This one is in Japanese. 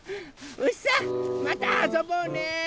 うしさんまたあそぼうね！